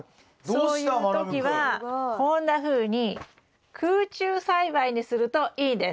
そういう時はこんなふうに空中栽培にするといいんです。